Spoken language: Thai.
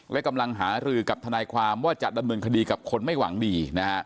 และกำลังหารือกับทนายความว่าจะดำเนินคดีกับคนไม่หวังดีนะฮะ